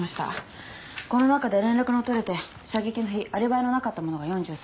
この中で連絡の取れて射撃の日アリバイのなかった者が４３名。